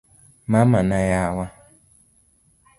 mama na yawa